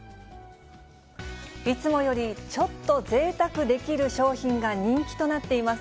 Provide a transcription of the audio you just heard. いつもよりちょっとぜいたくできる商品が人気となっています。